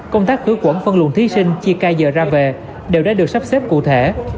công tác khử quẩn phân luận thí sinh chia cài giờ ra về đều đã được sắp xếp cụ thể